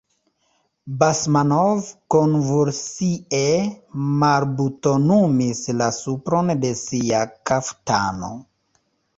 Basmanov konvulsie malbutonumis la supron de sia kaftano.